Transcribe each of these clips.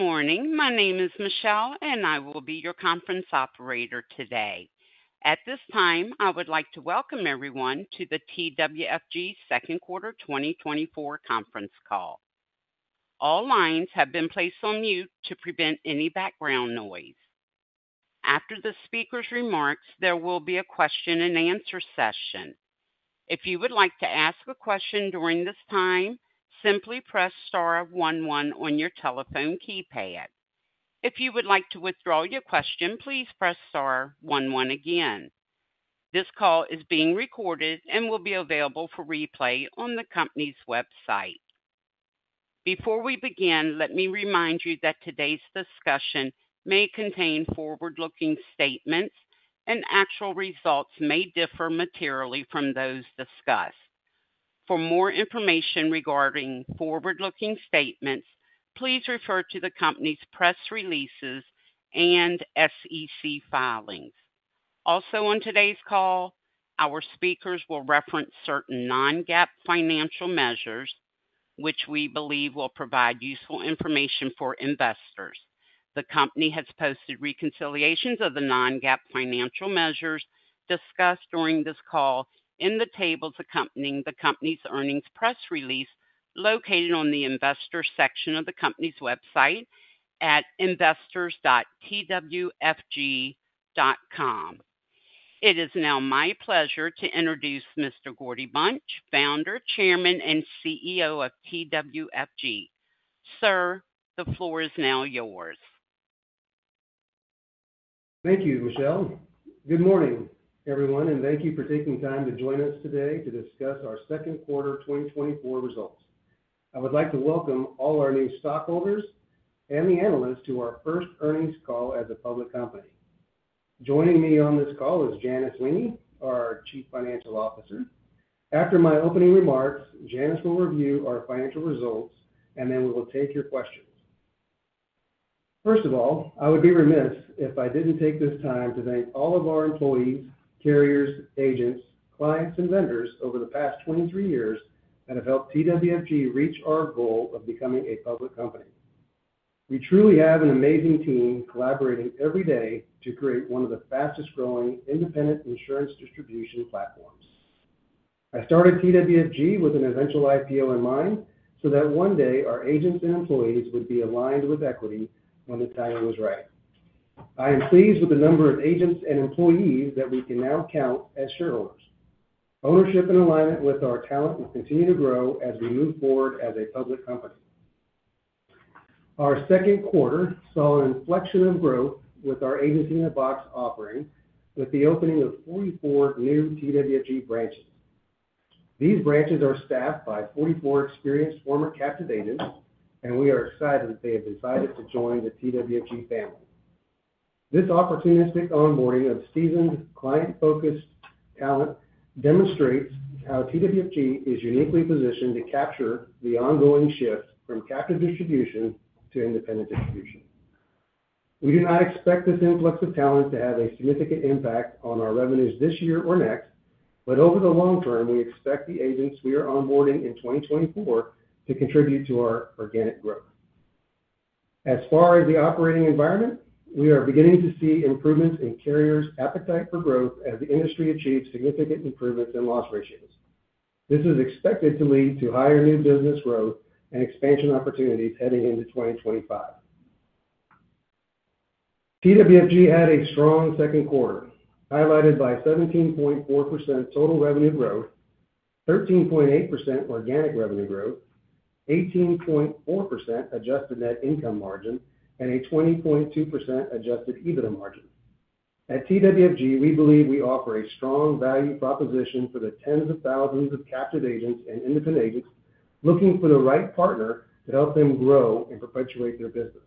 Good morning. My name is Michelle, and I will be your conference operator today. At this time, I would like to welcome everyone to the TWFG Second Quarter 2024 conference call. All lines have been placed on mute to prevent any background noise. After the speaker's remarks, there will be a question-and-answer session. If you would like to ask a question during this time, simply press star one one on your telephone keypad. If you would like to withdraw your question, please press star one one again. This call is being recorded and will be available for replay on the company's website. Before we begin, let me remind you that today's discussion may contain forward-looking statements, and actual results may differ materially from those discussed. For more information regarding forward-looking statements, please refer to the company's press releases and SEC filings. Also, on today's call, our speakers will reference certain non-GAAP financial measures, which we believe will provide useful information for investors. The company has posted reconciliations of the non-GAAP financial measures discussed during this call in the tables accompanying the company's earnings press release, located on the Investors section of the company's website at investors.twfg.com. It is now my pleasure to introduce Mr. Gordy Bunch, Founder, Chairman, and CEO of TWFG. Sir, the floor is now yours. Thank you, Michelle. Good morning, everyone, and thank you for taking time to join us today to discuss our Q2 2024 results. I would like to welcome all our new stockholders and the analysts to our first earnings call as a public company. Joining me on this call is Janice Zwinggi, our Chief Financial Officer. After my opening remarks, Janice will review our financial results, and then we will take your questions. First of all, I would be remiss if I didn't take this time to thank all of our employees, carriers, agents, clients, and vendors over the past twenty-three years that have helped TWFG reach our goal of becoming a public company. We truly have an amazing team collaborating every day to create one of the fastest-growing independent insurance distribution platforms. I started TWFG with an eventual IPO in mind, so that one day our agents and employees would be aligned with equity when the time was right. I am pleased with the number of agents and employees that we can now count as shareholders. Ownership and alignment with our talent will continue to grow as we move forward as a public company. Our Q2 saw an inflection of growth with our Agency in a Box offering, with the opening of 44 new TWFG branches. These branches are staffed by 44 experienced former captive agents, and we are excited that they have decided to join the TWFG family. This opportunistic onboarding of seasoned, client-focused talent demonstrates how TWFG is uniquely positioned to capture the ongoing shift from captive distribution to independent distribution. We do not expect this influx of talent to have a significant impact on our revenues this year or next, but over the long term, we expect the agents we are onboarding in 2024 to contribute to our organic growth. As far as the operating environment, we are beginning to see improvements in carriers' appetite for growth as the industry achieves significant improvements in loss ratios. This is expected to lead to higher new business growth and expansion opportunities heading into 2025. TWFG had a strong Q2, highlighted by 17.4% total revenue growth, 13.8% organic revenue growth, 18.4% adjusted net income margin, and a 20.2% adjusted EBITDA margin. At TWFG, we believe we offer a strong value proposition for the tens of thousands of captive agents and independent agents looking for the right partner to help them grow and perpetuate their businesses.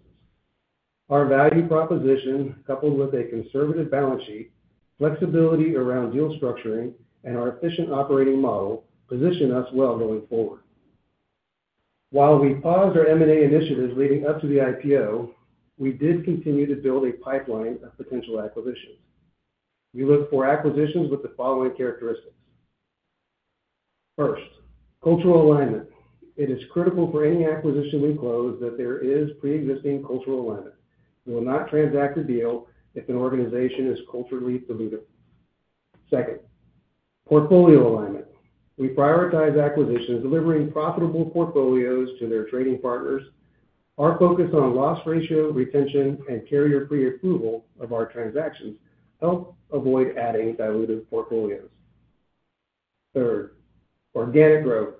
Our value proposition, coupled with a conservative balance sheet, flexibility around deal structuring, and our efficient operating model, position us well going forward. While we paused our M&A initiatives leading up to the IPO, we did continue to build a pipeline of potential acquisitions. We look for acquisitions with the following characteristics. First, cultural alignment. It is critical for any acquisition we close that there is pre-existing cultural alignment. We will not transact a deal if an organization is culturally diluted. Second, portfolio alignment. We prioritize acquisitions, delivering profitable portfolios to their trading partners. Our focus on loss ratio, retention, and carrier pre-approval of our transactions help avoid adding diluted portfolios. Third, organic growth.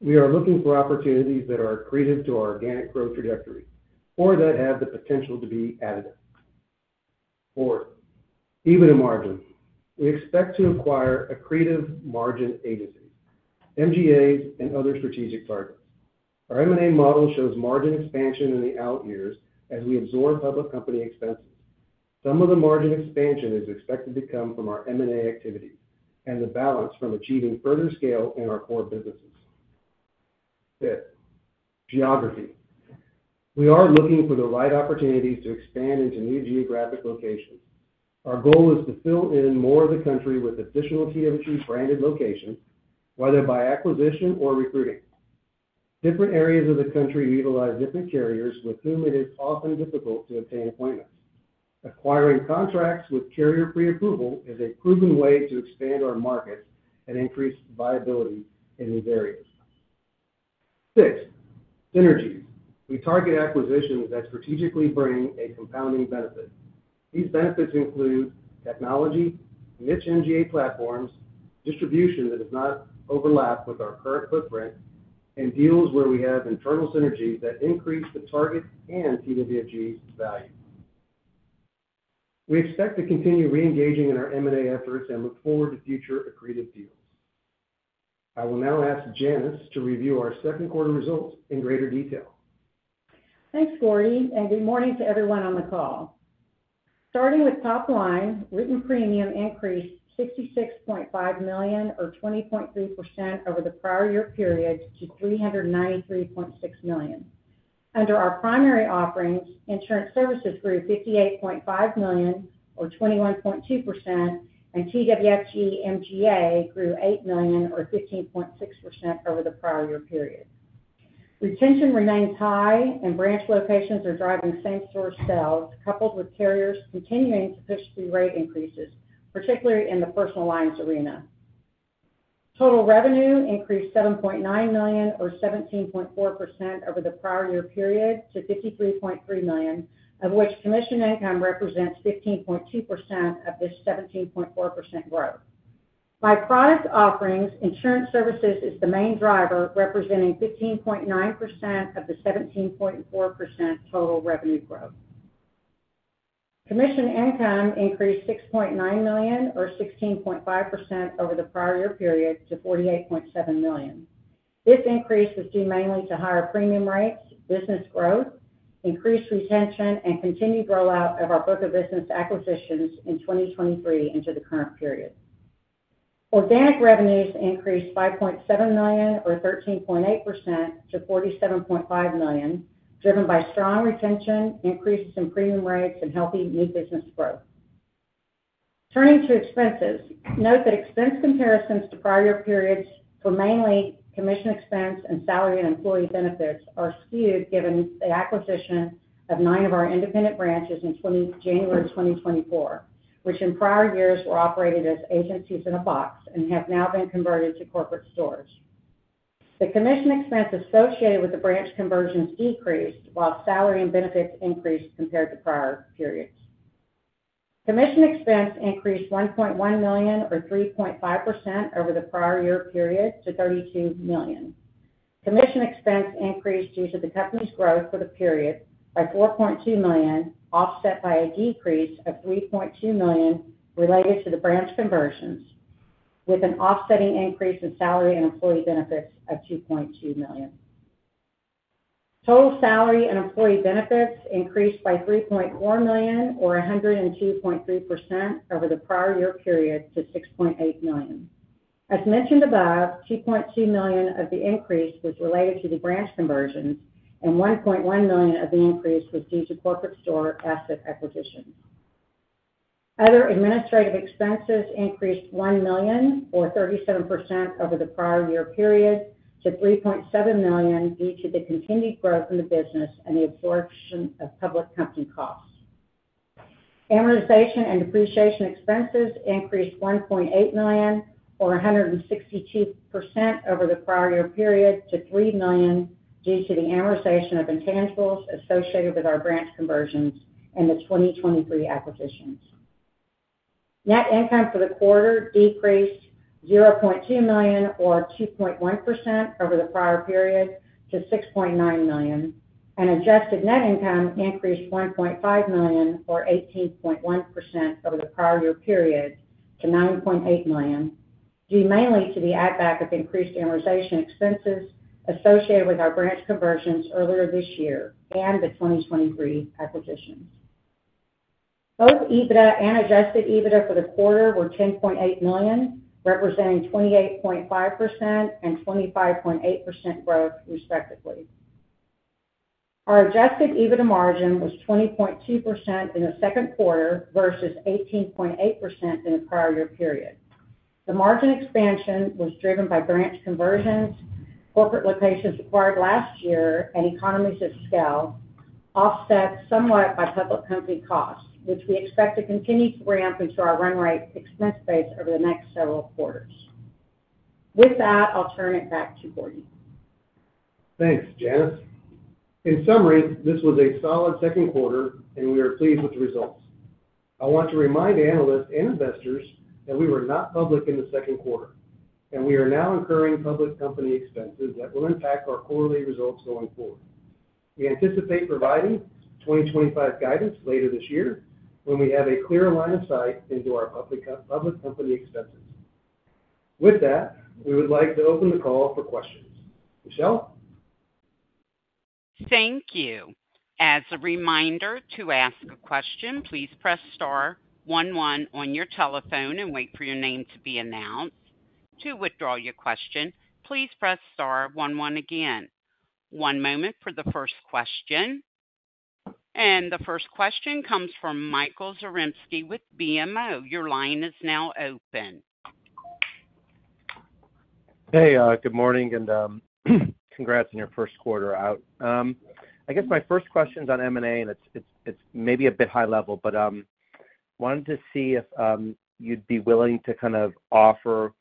We are looking for opportunities that are accretive to our organic growth trajectory or that have the potential to be additive. Fourth, EBITDA margin. We expect to acquire accretive margin agencies, MGAs, and other strategic targets. Our M&A model shows margin expansion in the out years as we absorb public company expenses. Some of the margin expansion is expected to come from our M&A activities and the balance from achieving further scale in our core businesses. Fifth, geography. We are looking for the right opportunities to expand into new geographic locations. Our goal is to fill in more of the country with additional TWFG-branded locations, whether by acquisition or recruiting. Different areas of the country utilize different carriers, with whom it is often difficult to obtain appointments. Acquiring contracts with carrier pre-approval is a proven way to expand our markets and increase viability in these areas. Six, synergies. We target acquisitions that strategically bring a compounding benefit. These benefits include technology, niche MGA platforms, distribution that does not overlap with our current footprint, and deals where we have internal synergies that increase the target and TWFG's value. We expect to continue reengaging in our M&A efforts and look forward to future accretive deals. I will now ask Janice to review our Q2 results in greater detail. Thanks, Gordy, and good morning to everyone on the call. Starting with top line, written premium increased $66.5 million, or 20.3%, over the prior year period to $393.6 million. Under our primary offerings, insurance services grew $58.5 million, or 21.2%, and TWFG MGA grew $8 million, or 15.6%, over the prior year period. Retention remains high, and branch locations are driving same-store sales, coupled with carriers continuing to push through rate increases, particularly in the personal lines arena. Total revenue increased $7.9 million, or 17.4%, over the prior year period to $53.3 million, of which commission income represents 15.2% of this 17.4% growth. By product offerings, insurance services is the main driver, representing 15.9% of the 17.4% total revenue growth. Commission income increased $6.9 million, or 16.5%, over the prior year period to $48.7 million. This increase was due mainly to higher premium rates, business growth, increased retention, and continued rollout of our book of business acquisitions in 2023 into the current period. Organic revenues increased $5.7 million, or 13.8%, to $47.5 million, driven by strong retention, increases in premium rates and healthy new business growth. Turning to expenses, note that expense comparisons to prior year periods were mainly commission expense and salary and employee benefits are skewed, given the acquisition of nine of our independent branches in January 2024, which in prior years were operated as Agency in a Box and have now been converted to corporate stores. The commission expense associated with the branch conversions decreased, while salary and benefits increased compared to prior periods. Commission expense increased $1.1 million, or 3.5%, over the prior year period to $32 million. Commission expense increased due to the company's growth for the period by $4.2 million, offset by a decrease of $3.2 million related to the branch conversions, with an offsetting increase in salary and employee benefits of $2.2 million. Total salary and employee benefits increased by $3.4 million, or 102.3%, over the prior year period to $6.8 million. As mentioned above, $2.2 million of the increase was related to the branch conversions, and $1.1 million of the increase was due to corporate store asset acquisitions. Other administrative expenses increased $1 million, or 37%, over the prior year period to $3.7 million, due to the continued growth in the business and the absorption of public company costs. Amortization and depreciation expenses increased $1.8 million, or 162%, over the prior year period to $3 million, due to the amortization of intangibles associated with our branch conversions and the 2023 acquisitions. Net income for the quarter decreased $0.2 million, or 2.1%, over the prior period to $6.9 million, and adjusted net income increased $1.5 million, or 18.1%, over the prior year period to $9.8 million, due mainly to the add-back of increased amortization expenses associated with our branch conversions earlier this year and the 2023 acquisitions. Both EBITDA and adjusted EBITDA for the quarter were $10.8 million, representing 28.5% and 25.8% growth, respectively. Our adjusted EBITDA margin was 20.2% in the Q2 versus 18.8% in the prior year period. The margin expansion was driven by branch conversions, corporate locations acquired last year and economies of scale, offset somewhat by public company costs, which we expect to continue to ramp into our run rate expense base over the next several quarters. With that, I'll turn it back to Gordy. Thanks, Janice. In summary, this was a solid Q2, and we are pleased with the results. I want to remind analysts and investors that we were not public in the Q2, and we are now incurring public company expenses that will impact our quarterly results going forward. We anticipate providing 2025 guidance later this year when we have a clear line of sight into our public company expenses. With that, we would like to open the call for questions. Michelle? Thank you. As a reminder, to ask a question, please press star one one on your telephone and wait for your name to be announced. To withdraw your question, please press star one one again.... One moment for the first question. And the first question comes from Michael Zaremski with BMO. Your line is now open. Hey, good morning, and congrats on your Q1 out. I guess my first question's on M&A, and it's maybe a bit high level, but wanted to see if you'd be willing to kind of offer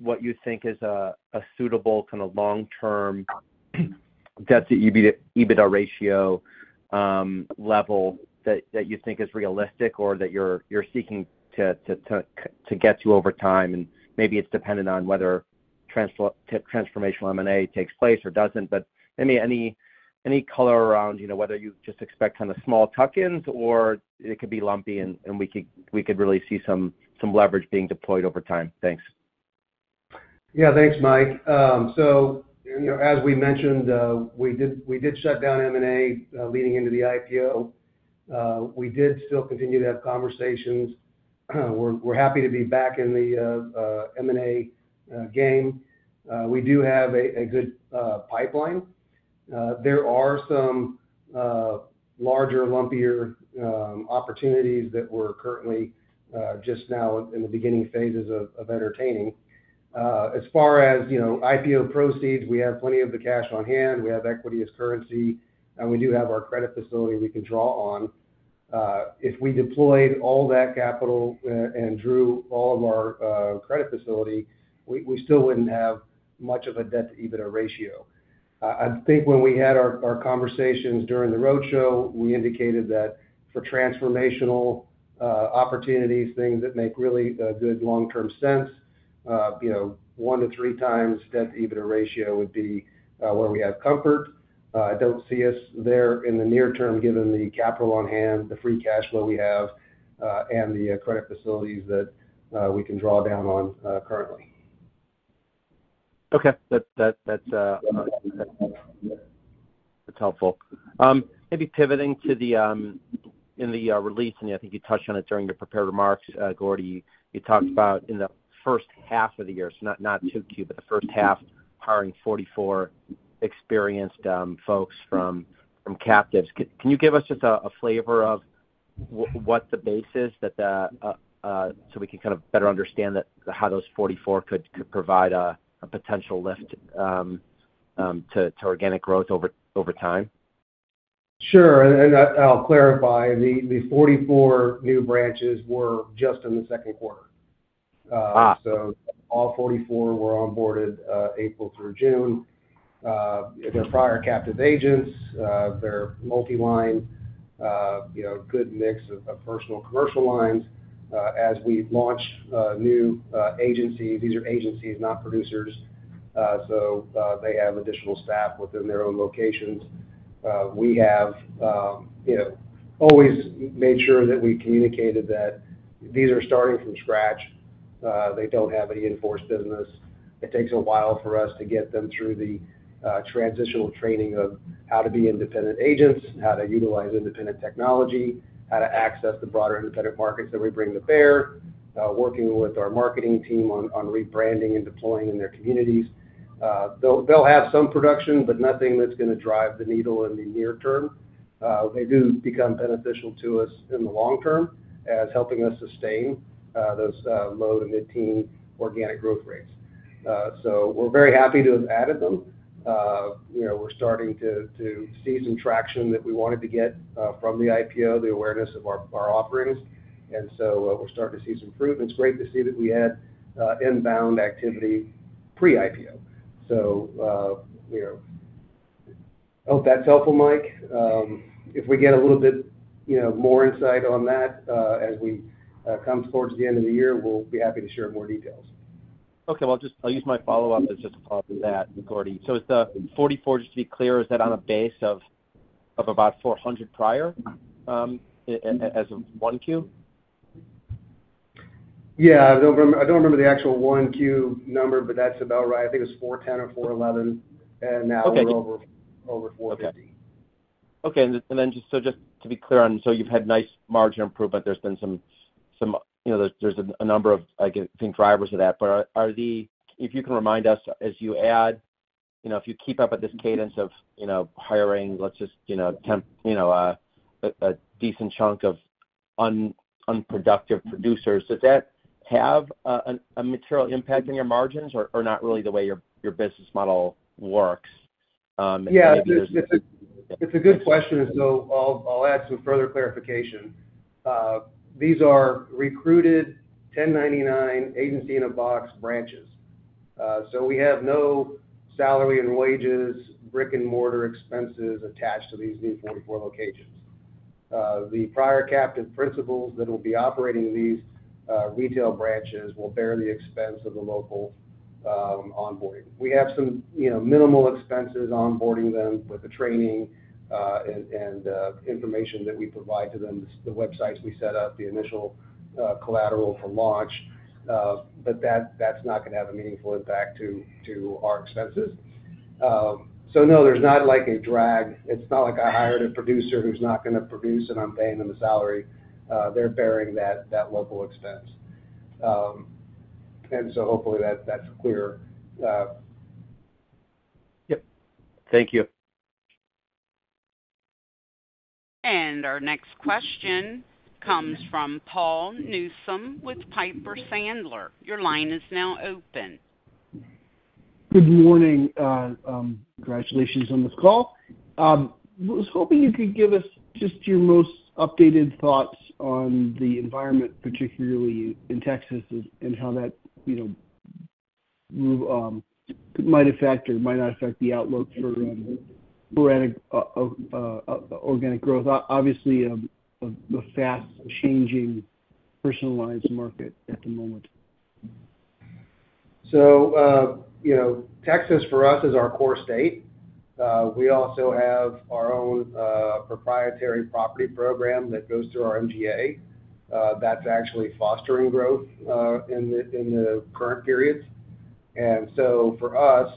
what you think is a suitable, kind of long-term, debt-to-EBITDA ratio level that you think is realistic or that you're seeking to get to over time. And maybe it's dependent on whether transformational M&A takes place or doesn't. But maybe any color around, you know, whether you just expect kind of small tuck-ins, or it could be lumpy, and we could really see some leverage being deployed over time? Thanks. Yeah, thanks, Mike. So, you know, as we mentioned, we did shut down M&A leading into the IPO. We did still continue to have conversations. We're happy to be back in the M&A game. We do have a good pipeline. There are some larger, lumpier opportunities that we're currently just now in the beginning phases of entertaining. As far as, you know, IPO proceeds, we have plenty of the cash on hand, we have equity as currency, and we do have our credit facility we can draw on. If we deployed all that capital, and drew all of our credit facility, we still wouldn't have much of a debt-to-EBITDA ratio. I think when we had our conversations during the roadshow, we indicated that for transformational opportunities, things that make really good long-term sense, you know, one to three times debt-to-EBITDA ratio would be where we have comfort. I don't see us there in the near term, given the capital on hand, the free cash flow we have, and the credit facilities that we can draw down on currently. Okay. That's helpful. Maybe pivoting to the in the release, and I think you touched on it during the prepared remarks, Gordy, you talked about in the first half of the year, so not Q2, but the first half, hiring forty-four experienced folks from captives. Can you give us just a flavor of what the base is that the so we can kind of better understand that, how those forty-four could provide a potential lift to organic growth over time? Sure, and I'll clarify. The forty-four new branches were just in the Q2. Ah. So all forty-four were onboarded April through June. They're prior captive agents, they're multi-line, you know, a good mix of personal commercial lines. As we launch new agency, these are agencies, not producers, so they have additional staff within their own locations. We have, you know, always made sure that we communicated that these are starting from scratch. They don't have any in-force business. It takes a while for us to get them through the transitional training of how to be independent agents, how to utilize independent technology, how to access the broader independent markets that we bring to bear, working with our marketing team on rebranding and deploying in their communities. They'll have some production, but nothing that's gonna drive the needle in the near term. They do become beneficial to us in the long term as helping us sustain those low- to mid-teen organic growth rates, so we're very happy to have added them. You know, we're starting to see some traction that we wanted to get from the IPO, the awareness of our offerings, and so we're starting to see some improvements. Great to see that we had inbound activity pre-IPO, so you know, hope that's helpful, Mike. If we get a little bit, you know, more insight on that as we come towards the end of the year, we'll be happy to share more details. Okay, well, I'll just... I'll use my follow-up as just a follow-up to that, Gordy. So the 44, just to be clear, is that on a base of about 400 prior as of 1Q? Yeah. I don't remember the actual one Q number, but that's about right. I think it was 410 or 411, and now- Okay. We're over four fifty. Okay, and then, so just to be clear on, so you've had nice margin improvement. There's been some, you know, there's a number of, I think, drivers of that. But are the-- if you can remind us, as you add, you know, if you keep up with this cadence of, you know, hiring, let's just, you know, temp, you know, a decent chunk of unproductive producers, does that have a material impact on your margins or not really the way your business model works? Maybe there's- Yeah, it's a good question, so I'll add some further clarification. These are recruited 1099 agency-in-a-box branches. So we have no salary and wages, brick-and-mortar expenses attached to these new 44 locations. The prior captive principals that will be operating these retail branches will bear the expense of the local onboarding. We have some, you know, minimal expenses onboarding them with the training and information that we provide to them, the websites we set up, the initial collateral for launch, but that's not gonna have a meaningful impact to our expenses. So no, there's not like a drag. It's not like I hired a producer who's not gonna produce, and I'm paying them a salary. They're bearing that local expense, and so hopefully that's clear. Yep. Thank you. Our next question comes from Paul Newsome with Piper Sandler. Your line is now open. Good morning. Congratulations on this call. Was hoping you could give us just your most updated thoughts on the environment, particularly in Texas, and how that, you know, might affect or might not affect the outlook for organic growth. Obviously, a fast changing personalized market at the moment. So, you know, Texas for us is our core state. We also have our own proprietary property program that goes through our MGA. That's actually fostering growth in the current periods. And so for us,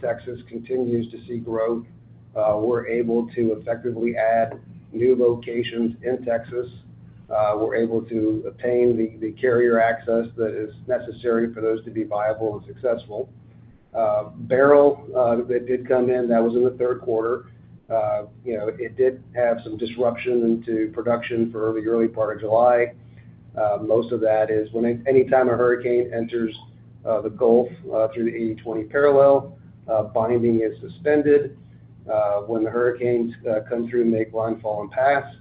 Texas continues to see growth. We're able to effectively add new locations in Texas. We're able to obtain the carrier access that is necessary for those to be viable and successful. Beryl, that did come in, that was in the Q3. You know, it did have some disruption into production for the early part of July. Most of that is when anytime a hurricane enters the Gulf through the eighty-twenty parallel, binding is suspended. When the hurricanes come through and make landfall and pass,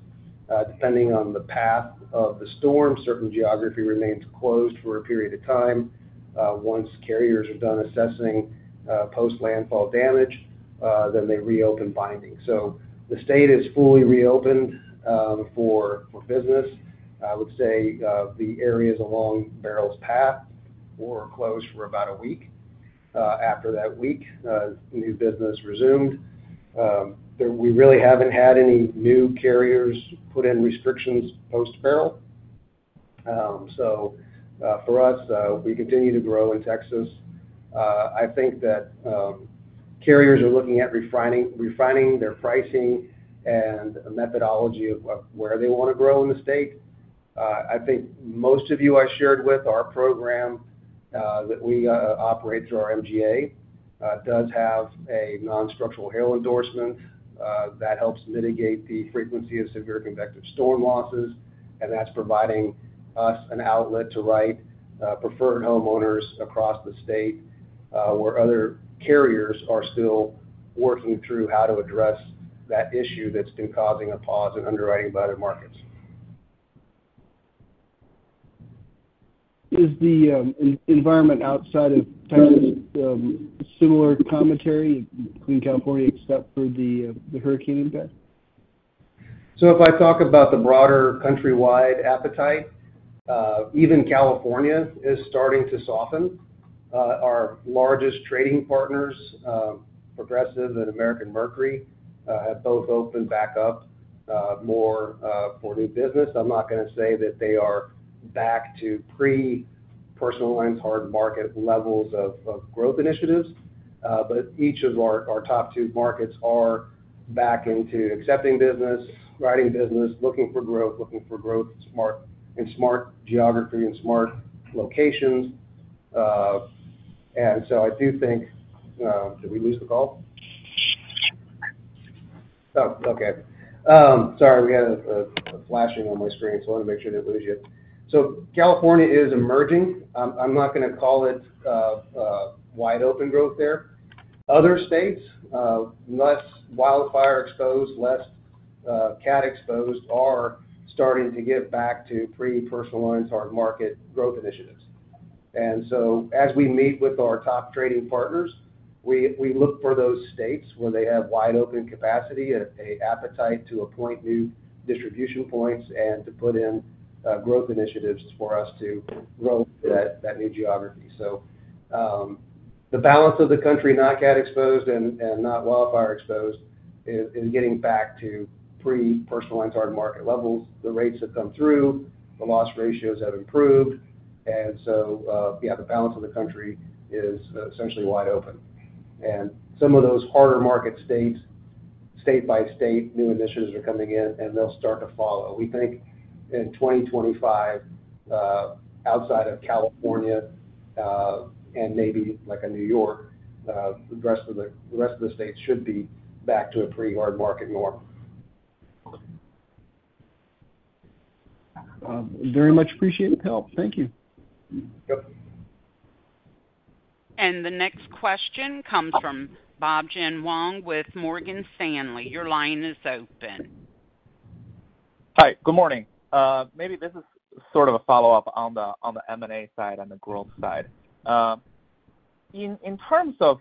depending on the path of the storm, certain geography remains closed for a period of time. Once carriers are done assessing post-landfall damage, then they reopen binding, so the state is fully reopened for business. I would say the areas along Beryl's path were closed for about a week. After that week, new business resumed, but we really haven't had any new carriers put in restrictions post-Beryl. For us, we continue to grow in Texas. I think that carriers are looking at refining their pricing and methodology of where they want to grow in the state. I think most of you I shared with, our program, that we operate through our MGA does have a nonstructural hail endorsement that helps mitigate the frequency of severe convective storm losses, and that's providing us an outlet to write preferred homeowners across the state where other carriers are still working through how to address that issue that's still causing a pause in underwriting by other markets. Is the environment outside of Texas similar commentary in California, except for the hurricane impact? So if I talk about the broader countrywide appetite, even California is starting to soften. Our largest trading partners, Progressive and American Mercury, have both opened back up, more, for new business. I'm not gonna say that they are back to pre-personal lines, hard market levels of growth initiatives, but each of our top two markets are back into accepting business, writing business, looking for growth, looking for growth, in smart geography and smart locations. And so I do think... Did we lose the call? Oh, okay. Sorry, we had a flashing on my screen, so I wanted to make sure I didn't lose you. So California is emerging. I'm not gonna call it, wide open growth there. Other states, less wildfire exposed, less cat exposed, are starting to get back to pre-personal lines hard market growth initiatives, and so as we meet with our top trading partners, we look for those states where they have wide open capacity and an appetite to appoint new distribution points and to put in growth initiatives for us to grow that new geography, so the balance of the country, not cat exposed and not wildfire exposed, is getting back to pre-personal lines hard market levels. The rates have come through, the loss ratios have improved, and so yeah, the balance of the country is essentially wide open, and some of those harder market states, state by state, new initiatives are coming in, and they'll start to follow. We think in 2025, outside of California, and maybe like a New York, the rest of the states should be back to a pre-hard market norm. Very much appreciate the help. Thank you. Yep. The next question comes from Bob Jian Huang with Morgan Stanley. Your line is open. Hi, good morning. Maybe this is sort of a follow-up on the M&A side and the growth side. In terms of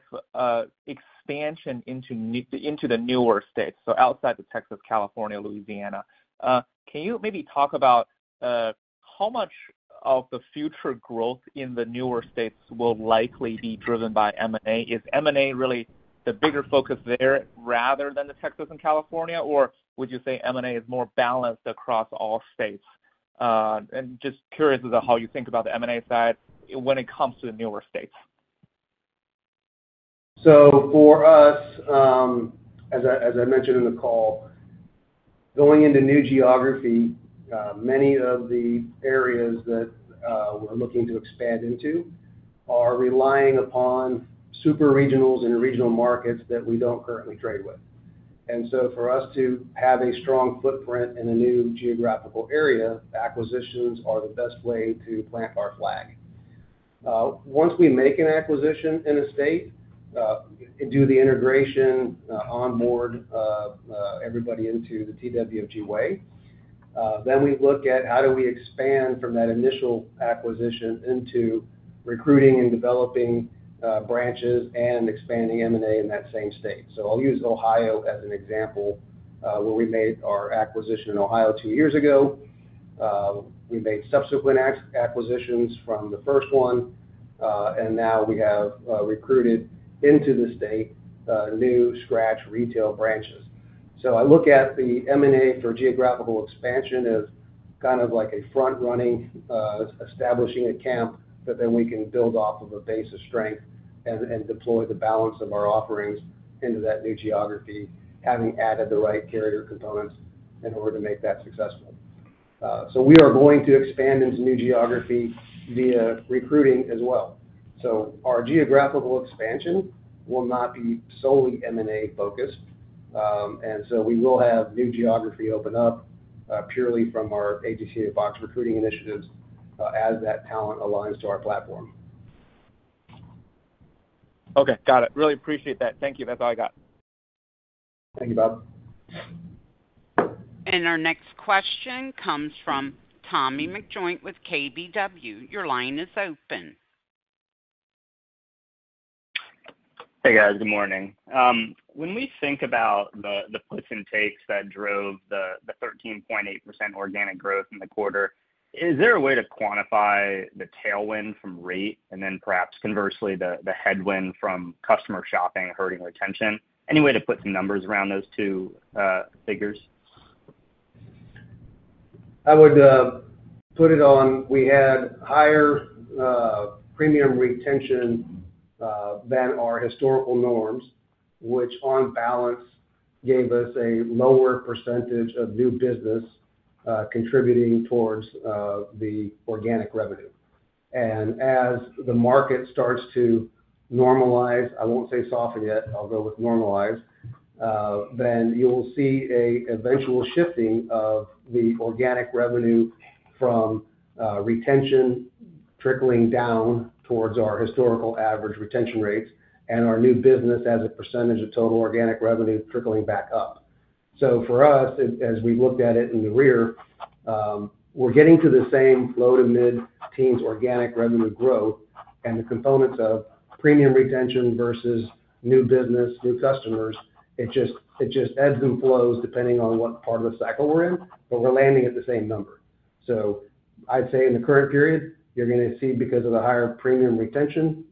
expansion into the newer states, so outside of Texas, California, Louisiana, can you maybe talk about how much of the future growth in the newer states will likely be driven by M&A? Is M&A really the bigger focus there rather than the Texas and California, or would you say M&A is more balanced across all states? And just curious about how you think about the M&A side when it comes to the newer states.... So for us, as I mentioned in the call, going into new geography, many of the areas that we're looking to expand into are relying upon super regionals and regional markets that we don't currently trade with. And so for us to have a strong footprint in a new geographical area, acquisitions are the best way to plant our flag. Once we make an acquisition in a state, and do the integration, onboard everybody into the TWFG way, then we look at how do we expand from that initial acquisition into recruiting and developing branches and expanding M&A in that same state. So I'll use Ohio as an example, where we made our acquisition in Ohio two years ago. We made subsequent acquisitions from the first one, and now we have recruited into the state new scratch retail branches. So I look at the M&A for geographical expansion as kind of like a front-running, establishing a camp that then we can build off of a base of strength and deploy the balance of our offerings into that new geography, having added the right carrier components in order to make that successful. So we are going to expand into new geography via recruiting as well. So our geographical expansion will not be solely M&A focused. And so we will have new geography open up purely from our Agency in a Box recruiting initiatives, as that talent aligns to our platform. Okay, got it. Really appreciate that. Thank you. That's all I got. Thank you, Bob. Our next question comes from Tommy McJoynt with KBW. Your line is open. Hey, guys. Good morning. When we think about the puts and takes that drove the 13.8% organic growth in the quarter, is there a way to quantify the tailwind from rate, and then perhaps conversely, the headwind from customer shopping hurting retention? Any way to put some numbers around those two figures? I would put it on, we had higher premium retention than our historical norms, which on balance, gave us a lower percentage of new business contributing towards the organic revenue. And as the market starts to normalize, I won't say soften yet, I'll go with normalize, then you'll see an eventual shifting of the organic revenue from retention trickling down towards our historical average retention rates and our new business as a percentage of total organic revenue trickling back up. So for us, as we looked at it in the rear, we're getting to the same low to mid-teens organic revenue growth and the components of premium retention versus new business, new customers, it just ebbs and flows depending on what part of the cycle we're in, but we're landing at the same number. So I'd say in the current period, you're going to see, because of the higher premium retention,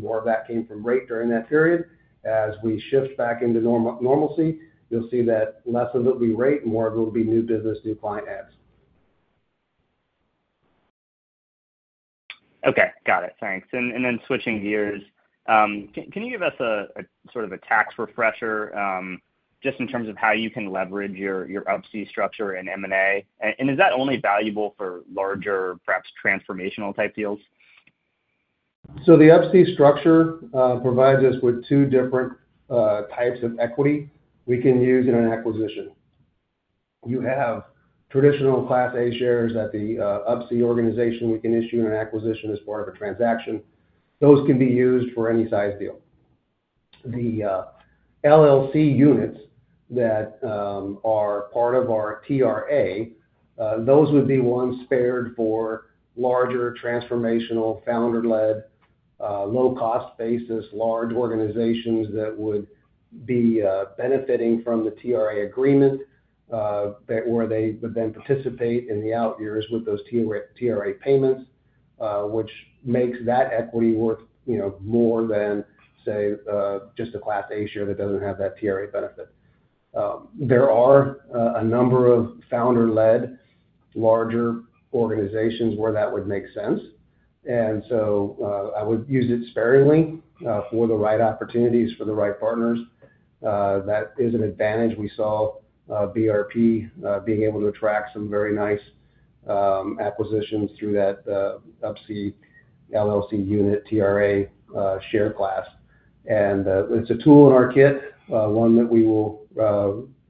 more of that came from rate during that period. As we shift back into normalcy, you'll see that less of it will be rate, more of it will be new business, new client adds. Okay, got it. Thanks. And then switching gears, can you give us a sort of a tax refresher, just in terms of how you can leverage your Up-C structure in M&A? And is that only valuable for larger, perhaps transformational type deals? So the Up-C structure provides us with two different types of equity we can use in an acquisition. You have traditional Class A shares that the Up-C organization we can issue in an acquisition as part of a transaction. Those can be used for any sized deal. The LLC units that are part of our TRA, those would be ones saved for larger, transformational, founder-led low-cost basis, large organizations that would be benefiting from the TRA agreement, that where they would then participate in the out years with those TRA payments, which makes that equity worth, you know, more than, say, just a Class A share that doesn't have that TRA benefit. There are a number of founder-led, larger organizations where that would make sense. And so, I would use it sparingly, for the right opportunities, for the right partners. That is an advantage. We saw, BRP, being able to attract some very nice, acquisitions through that, Up-C LLC unit, TRA, share class. And, it's a tool in our kit, one that we will,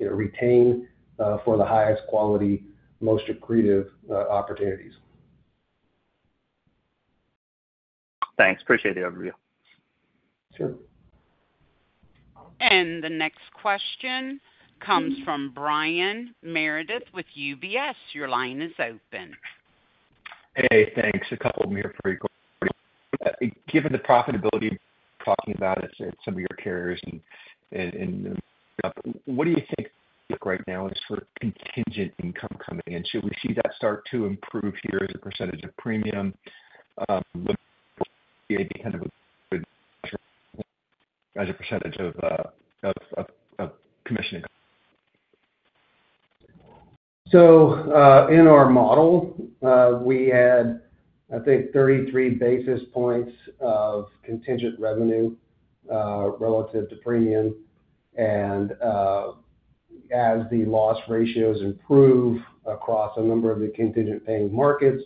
retain, for the highest quality, most accretive, opportunities. Thanks. Appreciate the overview. Sure. The next question comes from Brian Meredith with UBS. Your line is open. Hey, thanks. A couple of them here for you. Given the profitability, talking about it at some of your carriers and what do you think right now is sort of contingent income coming in? Should we see that start to improve here as a percentage of premium, as a percentage of commissioning?... So, in our model, we had, I think, 33 basis points of contingent revenue relative to premium, and as the loss ratios improve across a number of the contingent paying markets,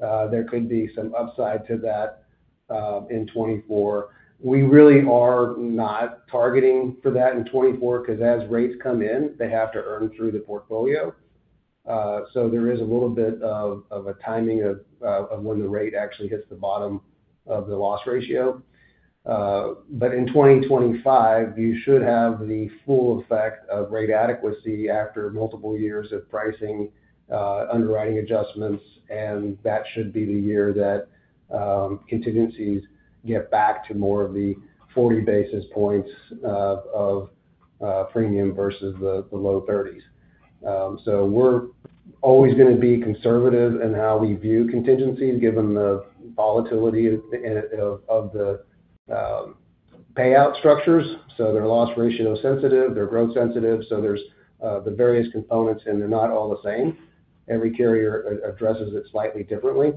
there could be some upside to that in twenty-four. We really are not targeting for that in twenty-four, because as rates come in, they have to earn through the portfolio, so there is a little bit of a timing of when the rate actually hits the bottom of the loss ratio, but in 2025, you should have the full effect of rate adequacy after multiple years of pricing, underwriting adjustments, and that should be the year that contingencies get back to more of the forty basis points of premium versus the low thirties. So we're always going to be conservative in how we view contingencies, given the volatility of the payout structures. So they're loss ratio sensitive, they're growth sensitive, so there's the various components, and they're not all the same. Every carrier addresses it slightly differently.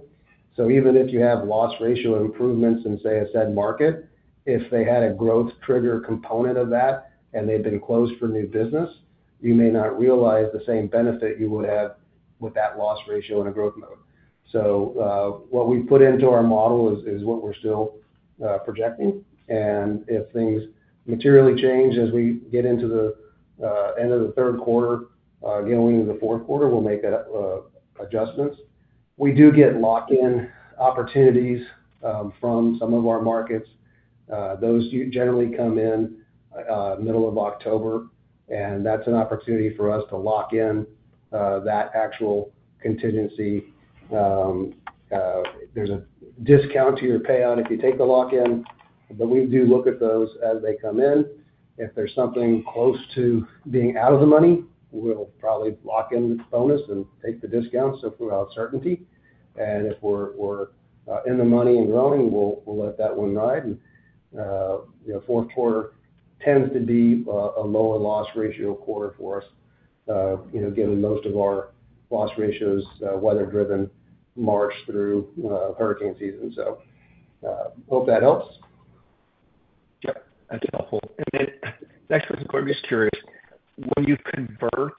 So even if you have loss ratio improvements in, say, a said market, if they had a growth trigger component of that and they've been closed for new business, you may not realize the same benefit you would have with that loss ratio in a growth mode. So what we put into our model is what we're still projecting. And if things materially change as we get into the end of the Q3, going into the Q4, we'll make adjustments. We do get lock-in opportunities from some of our markets. Those do generally come in middle of October, and that's an opportunity for us to lock in that actual contingency. There's a discount to your pay on if you take the lock in, but we do look at those as they come in. If there's something close to being out of the money, we'll probably lock in the bonus and take the discount, so for our certainty. If we're in the money and growing, we'll let that one ride. You know, Q4 tends to be a lower loss ratio quarter for us, you know, given most of our loss ratios are weather driven, March through hurricane season. Hope that helps. Yep, that's helpful. And then next question, I'm just curious, when you convert,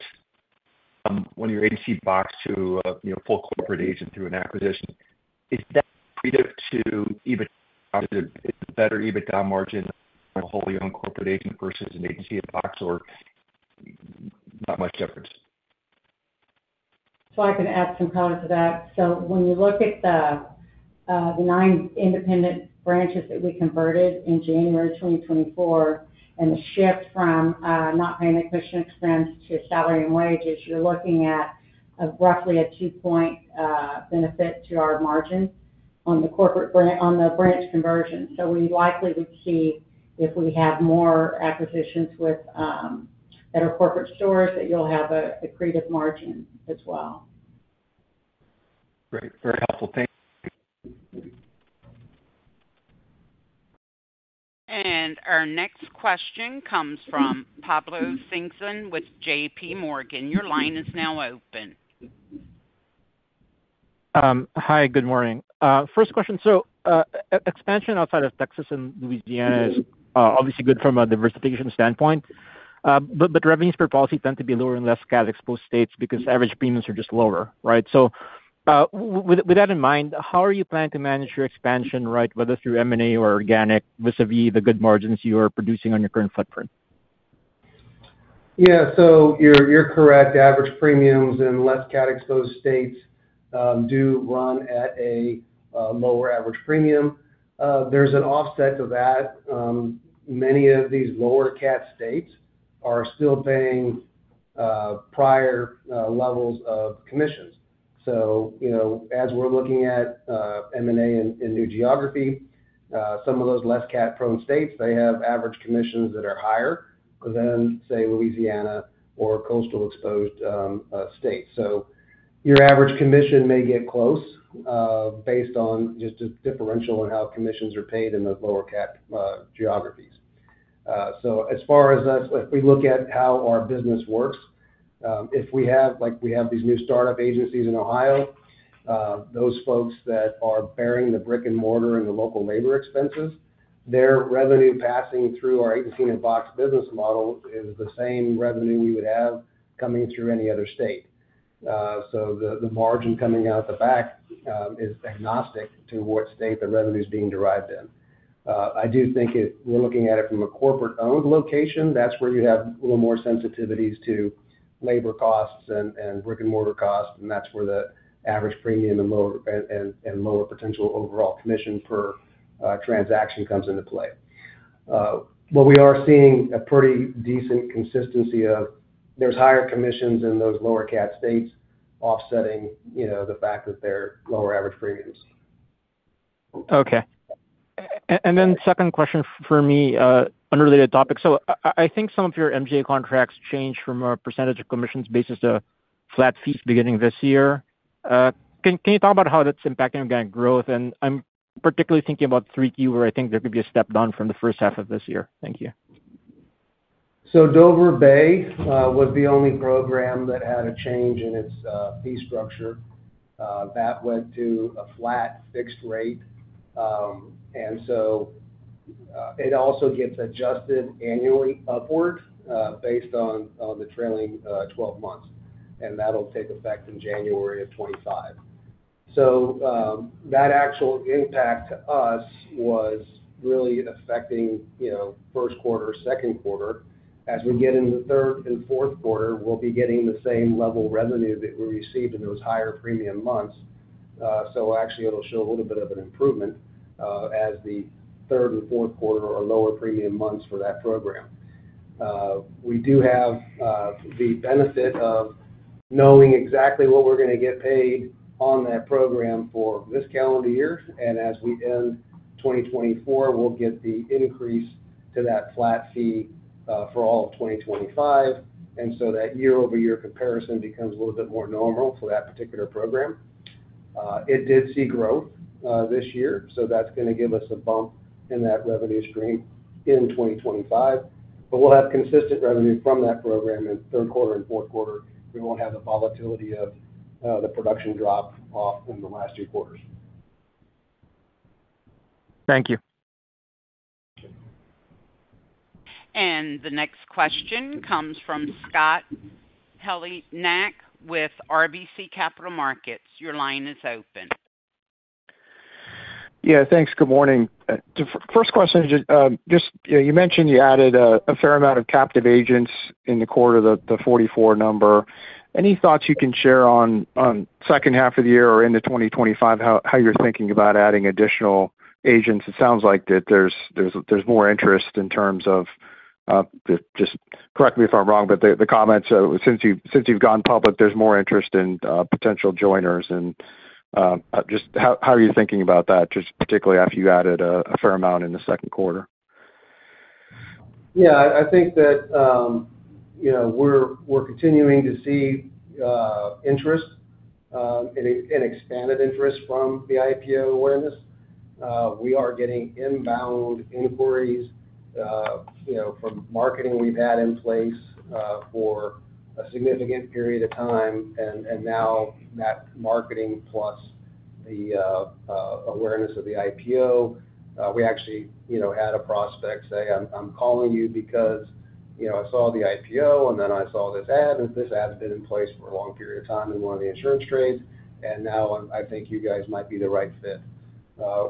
when your Agency in a Box to a, you know, full corporate agent through an acquisition, is that predictive to EBITDA? Is it better EBITDA margin on a wholly owned corporate agent versus an Agency in a Box or not much difference? So I can add some color to that. So when you look at the nine independent branches that we converted in January 2024, and the shift from not paying commission expense to salary and wages, you're looking at roughly a two-point benefit to our margin on the corporate branch conversion. So we'd likely to see if we have more acquisitions with that are corporate stores, that you'll have a accretive margin as well. Great. Very helpful. Thank you. Our next question comes from Pablo Singzon with J.P. Morgan. Your line is now open. Hi, good morning. First question. Expansion outside of Texas and Louisiana is obviously good from a diversification standpoint, but revenues per policy tend to be lower in less cat exposed states because average premiums are just lower, right? With that in mind, how are you planning to manage your expansion, right, whether through M&A or organic, vis-a-vis the good margins you are producing on your current footprint? Yeah, so you're correct. Average premiums in less cat exposed states do run at a lower average premium. There's an offset to that. Many of these lower cat states are still paying prior levels of commissions. So, you know, as we're looking at M&A in new geography, some of those less cat-prone states, they have average commissions that are higher than, say, Louisiana or coastal exposed states. So your average commission may get close based on just a differential on how commissions are paid in the lower cat geographies. As far as us, if we look at how our business works, if we have, like, these new startup agencies in Ohio, those folks that are bearing the brick-and-mortar and the local labor expenses, their revenue passing through our Agency in a Box business model is the same revenue we would have coming through any other state. So the margin coming out the back is agnostic to what state the revenue is being derived in. I do think if we're looking at it from a corporate-owned location, that's where you have a little more sensitivities to labor costs and brick-and-mortar costs, and that's where the average premium and lower potential overall commission per transaction comes into play. but we are seeing a pretty decent consistency of there's higher commissions in those lower cat states offsetting, you know, the fact that they're lower average premiums. Okay. And then second question for me, unrelated topic. So I think some of your MGA contracts changed from a percentage of commissions basis to flat fees beginning this year. Can you talk about how that's impacting organic growth? And I'm particularly thinking about 3Q, where I think there could be a step down from the first half of this year. Thank you.... So Dover Bay was the only program that had a change in its fee structure. That went to a flat fixed rate. And so, it also gets adjusted annually upward based on the trailing twelve months, and that'll take effect in January of 2025. So, that actual impact to us was really affecting, you know, Q1, Q2. As we get into the third and Q4, we'll be getting the same level of revenue that we received in those higher premium months. So actually, it'll show a little bit of an improvement as the third and Q4 are lower premium months for that program. We do have the benefit of knowing exactly what we're gonna get paid on that program for this calendar year. And as we end 2024, we'll get the increase to that flat fee for all of 2025, and so that year-over-year comparison becomes a little bit more normal for that particular program. It did see growth this year, so that's gonna give us a bump in that revenue stream in 2025. But we'll have consistent revenue from that program in Q3 and Q4. We won't have the volatility of the production drop off in the last two quarters. Thank you. The next question comes from Scott Heleniak with RBC Capital Markets. Your line is open. Yeah, thanks. Good morning. The first question, just, you know, you mentioned you added a fair amount of captive agents in the quarter, the 44 number. Any thoughts you can share on second half of the year or into 2025, how you're thinking about adding additional agents? It sounds like that there's more interest in terms of, just correct me if I'm wrong, but the comments since you've gone public, there's more interest in potential joiners, and just how are you thinking about that, just particularly after you added a fair amount in the Q2? Yeah, I, I think that, you know, we're, we're continuing to see interest, and expanded interest from the IPO awareness. We are getting inbound inquiries, you know, from marketing we've had in place for a significant period of time, and now that marketing plus the awareness of the IPO. We actually, you know, had a prospect say, "I'm calling you because, you know, I saw the IPO, and then I saw this ad, and this ad has been in place for a long period of time in one of the insurance trades, and now I think you guys might be the right fit."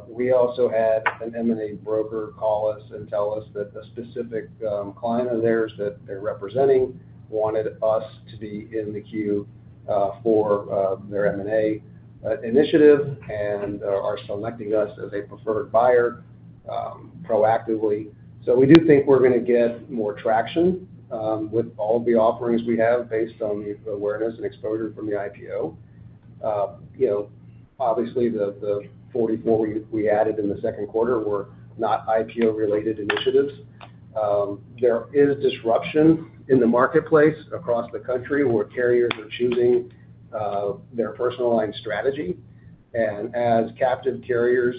We also had an M&A broker call us and tell us that a specific client of theirs that they're representing wanted us to be in the queue for their M&A initiative and are selecting us as a preferred buyer proactively. So we do think we're gonna get more traction with all of the offerings we have based on the awareness and exposure from the IPO. You know, obviously, the forty-four we added in the Q2 were not IPO-related initiatives. There is disruption in the marketplace across the country, where carriers are choosing their personal line strategy. And as captive carriers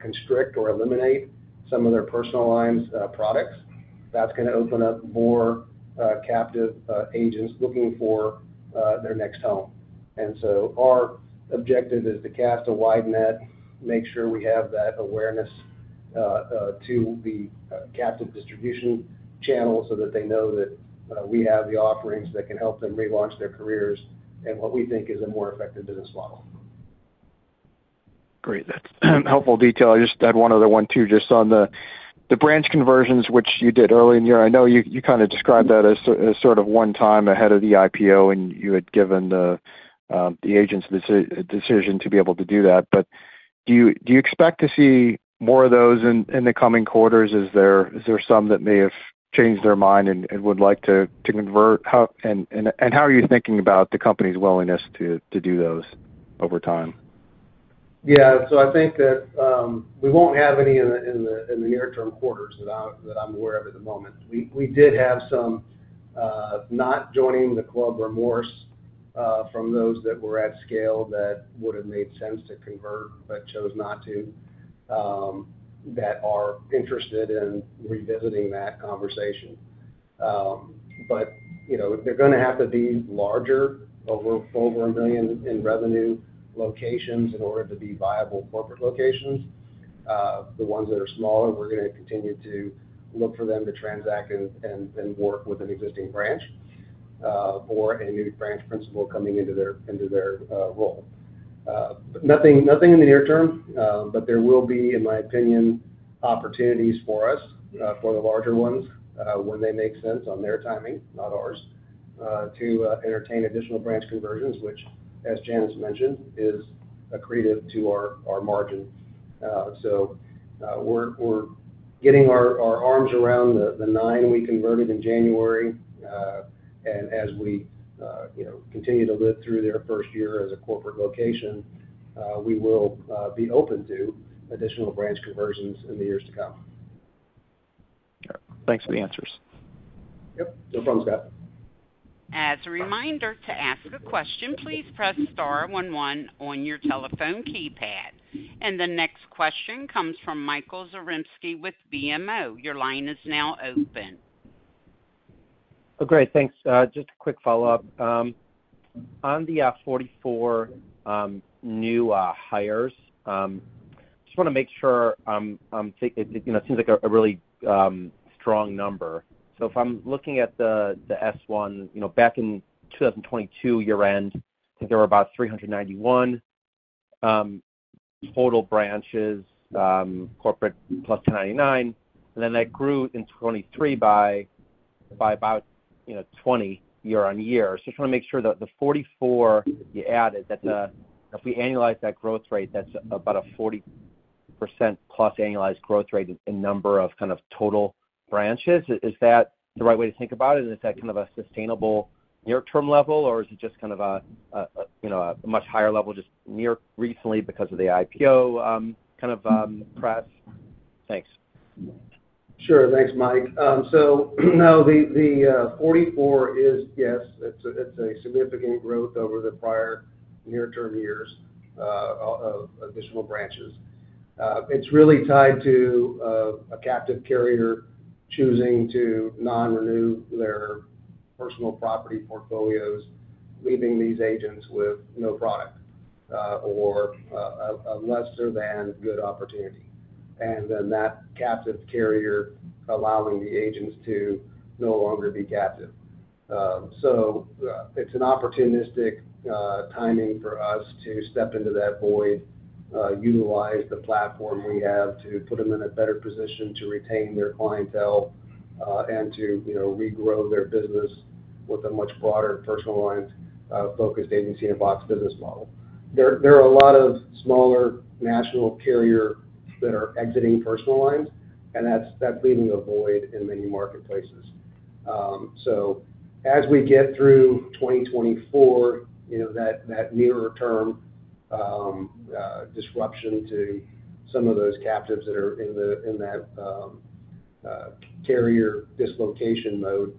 constrict or eliminate some of their personal lines products, that's gonna open up more captive agents looking for their next home. And so our objective is to cast a wide net, make sure we have that awareness to the captive distribution channel, so that they know that we have the offerings that can help them relaunch their careers and what we think is a more effective business model. Great. That's helpful detail. I just had one other one, too, just on the branch conversions, which you did early in the year. I know you kind of described that as sort of one time ahead of the IPO, and you had given the agents the decision to be able to do that. But do you expect to see more of those in the coming quarters? Is there some that may have changed their mind and would like to convert, and how are you thinking about the company's willingness to do those over time? Yeah. So I think that we won't have any in the near-term quarters that I'm aware of at the moment. We did have some not joining the club remorse from those that were at scale that would've made sense to convert, but chose not to that are interested in revisiting that conversation. But you know, they're gonna have to be larger, over a million in revenue locations in order to be viable corporate locations. The ones that are smaller, we're gonna continue to look for them to transact and work with an existing branch or a new branch principal coming into their role. Nothing in the near term, but there will be, in my opinion, opportunities for us, for the larger ones, when they make sense on their timing, not ours, to entertain additional branch conversions, which, as Janice mentioned, is accretive to our margin. So, we're getting our arms around the nine we converted in January. And as we, you know, continue to live through their first year as a corporate location, we will be open to additional branch conversions in the years to come. Thanks for the answer.... Yep, no problem, Scott. As a reminder, to ask a question, please press star one one on your telephone keypad. And the next question comes from Michael Zaremski with BMO. Your line is now open. Oh, great. Thanks. Just a quick follow-up. On the 44 new hires, just want to make sure, you know, it seems like a really strong number. So if I'm looking at the S-1, you know, back in 2022 year-end, I think there were about 391 total branches, corporate plus 1099, and then that grew in 2023 by about, you know, 20 year on year. So just want to make sure that the 44 you added, that if we annualize that growth rate, that's about a 40% plus annualized growth rate in number of kind of total branches. Is that the right way to think about it? And is that kind of a sustainable near-term level? Or is it just kind of a you know a much higher level just near recently because of the IPO kind of press? Thanks. Sure. Thanks, Mike. So, now, the 44 is, yes, it's a significant growth over the prior near-term years of additional branches. It's really tied to a captive carrier choosing to non-renew their personal property portfolios, leaving these agents with no product or a lesser than good opportunity, and then that captive carrier allowing the agents to no longer be captive. So, it's an opportunistic timing for us to step into that void, utilize the platform we have to put them in a better position to retain their clientele, and to, you know, regrow their business with a much broader personal lines focused agency and box business model. There are a lot of smaller national carrier that are exiting personal lines, and that's leaving a void in many marketplaces. So as we get through 2024, you know, that nearer term disruption to some of those captives that are in that carrier dislocation mode,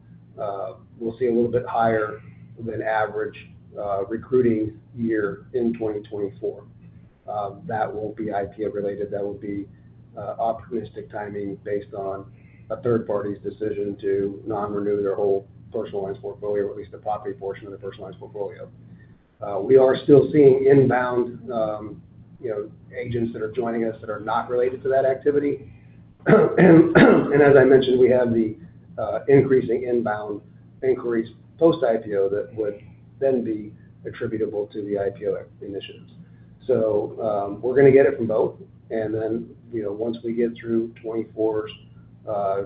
we'll see a little bit higher than average recruiting year in 2024. That won't be IPO related. That will be opportunistic timing based on a third party's decision to non-renew their whole personal lines portfolio, at least the property portion of the personal lines portfolio. We are still seeing inbound, you know, agents that are joining us that are not related to that activity, and as I mentioned, we have the increasing inbound inquiries post-IPO that would then be attributable to the IPO initiatives. So, we're going to get it from both, and then, you know, once we get through 2024,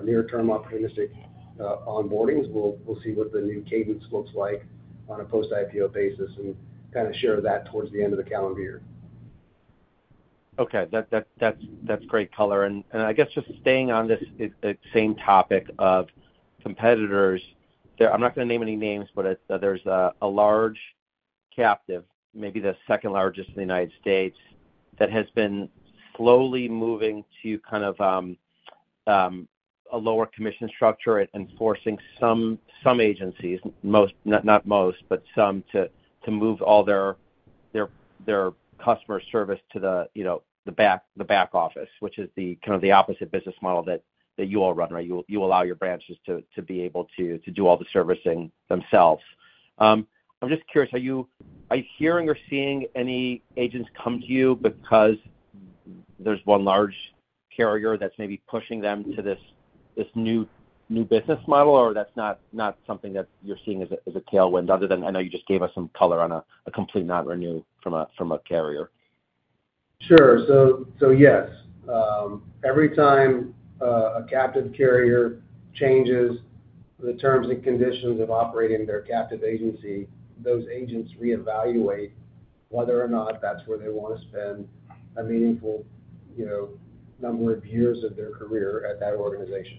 near-term opportunistic onboardings, we'll see what the new cadence looks like on a post-IPO basis and kind of share that towards the end of the calendar year. Okay. That's great color. And, I guess just staying on this same topic of competitors. There. I'm not going to name any names, but, there's a large captive, maybe the second largest in the United States, that has been slowly moving to kind of a lower commission structure and forcing some agencies, most, not most, but some, to move all their customer service to the, you know, the back office, which is kind of the opposite business model that you all run, right? You allow your branches to be able to do all the servicing themselves. I'm just curious, are you hearing or seeing any agents come to you because there's one large carrier that's maybe pushing them to this new business model, or that's not something that you're seeing as a tailwind, other than I know you just gave us some color on a complete non-renewal from a carrier? Sure. So yes, every time a captive carrier changes the terms and conditions of operating their captive agency, those agents reevaluate whether or not that's where they want to spend a meaningful, you know, number of years of their career at that organization.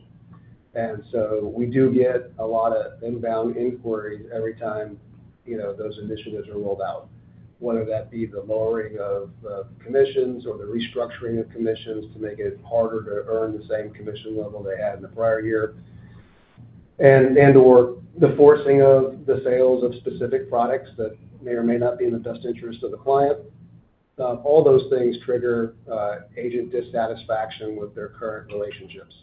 And so we do get a lot of inbound inquiries every time, you know, those initiatives are rolled out, whether that be the lowering of commissions or the restructuring of commissions to make it harder to earn the same commission level they had in the prior year, and/or the forcing of the sales of specific products that may or may not be in the best interest of the client. All those things trigger agent dissatisfaction with their current relationships.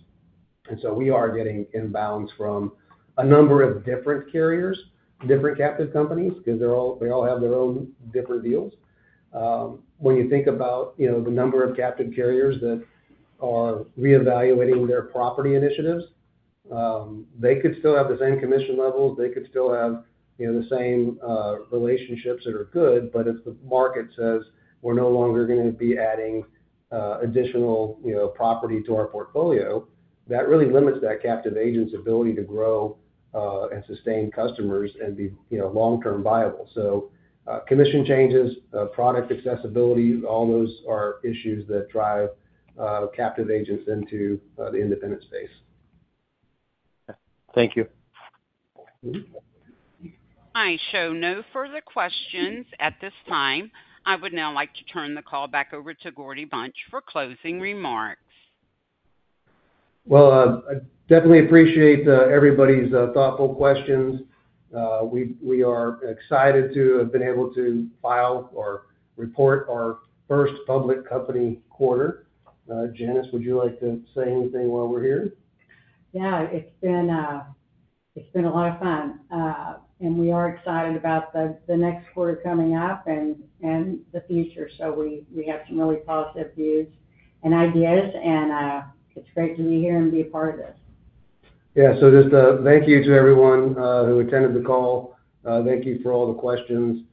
And so we are getting inbounds from a number of different carriers, different captive companies, because they're all, they all have their own different deals. When you think about, you know, the number of captive carriers that are reevaluating their property initiatives, they could still have the same commission levels. They could still have, you know, the same, relationships that are good, but if the market says, "We're no longer going to be adding, additional, you know, property to our portfolio," that really limits that captive agent's ability to grow, and sustain customers and be, you know, long-term viable. So, commission changes, product accessibility, all those are issues that drive, captive agents into, the independent space. Thank you. I show no further questions at this time. I would now like to turn the call back over to Gordy Bunch for closing remarks. Well, I definitely appreciate everybody's thoughtful questions. We are excited to have been able to file or report our first public company quarter. Janice, would you like to say anything while we're here? Yeah, it's been a lot of fun, and we are excited about the next quarter coming up and the future, so we have some really positive views and ideas, and it's great to be here and be a part of this. Yeah. So, just a thank you to everyone who attended the call. Thank you for all the questions.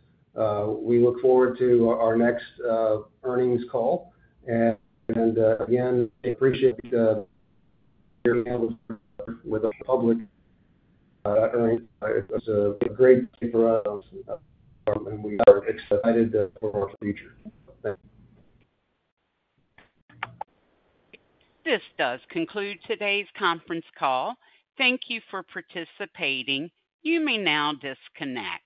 We look forward to our next earnings call. And again, appreciate being able with the public earnings. It's a great team around us, and we are excited for our future. Thank you. This does conclude today's conference call. Thank you for participating. You may now disconnect.